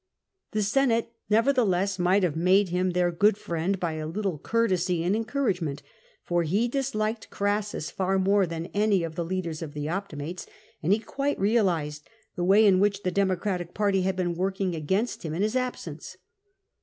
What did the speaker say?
The Senate, nevertheless, might have made him their good friend by a little courtesy and encouragement, for he disliked Crassus far more than any of the leaders of the Optimates, and he quite realised the way in which the Democratic party had been worked against him in his absence.